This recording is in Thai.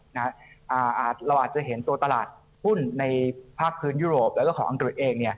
เราอาจจะเห็นตัวตลาดหุ้นในภาคพื้นยุโรปแล้วก็ของอังกฤษเอง